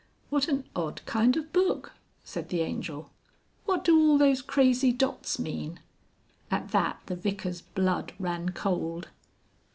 "What an odd kind of book!" said the Angel. "What do all those crazy dots mean?" (At that the Vicar's blood ran cold.)